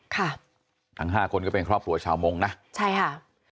ค่ะทั้งห้าคนก็เป็นครอบครัวชาวมงค์นะใช่ค่ะ